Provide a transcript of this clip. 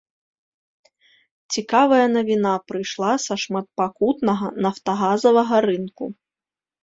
Цікавая навіна прыйшла са шматпакутнага нафтагазавага рынку.